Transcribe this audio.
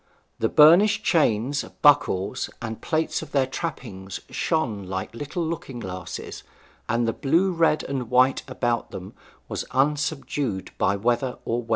The burnished chains, buckles, and plates of their trappings shone like little looking glasses, and the blue, red, and white about them was unsubdued by weather or wear.